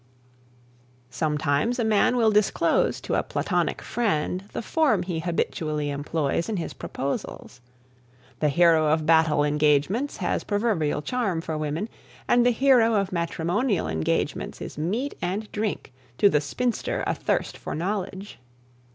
Sometimes a man will disclose to a platonic friend the form he habitually employs in proposals. The hero of battle engagements has proverbial charm for woman, and the hero of matrimonial engagements is meat and drink to the spinster athirst for knowledge.